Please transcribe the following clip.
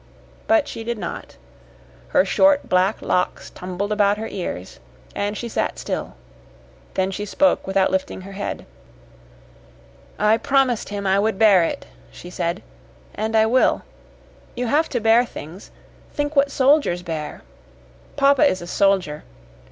But she did not. Her short, black locks tumbled about her ears, and she sat still. Then she spoke without lifting her head. "I promised him I would bear it," she said. "And I will. You have to bear things. Think what soldiers bear! Papa is a soldier.